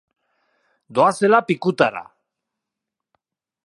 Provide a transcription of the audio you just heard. Doazela pikutara!